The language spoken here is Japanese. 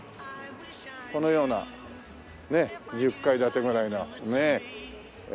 このようなねっ１０階建てぐらいのねえ。